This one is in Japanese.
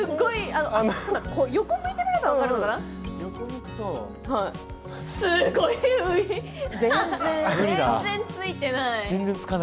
横を向いてくれれば分かるかな？